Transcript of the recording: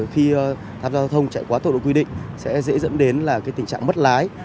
khi tham gia giao thông chạy quá tốc độ quy định sẽ dễ dẫn đến là tình trạng mất lái